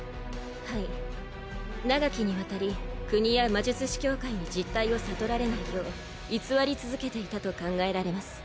はい長きにわたり国や魔術師協会に実体を悟られないよう偽り続けていたと考えられます